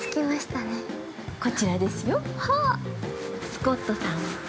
◆こちらですよ。